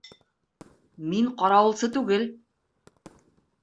Мин ҡарауылсы түгел!